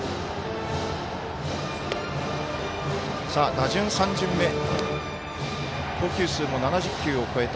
打順３巡目投球数も７０球を超えた。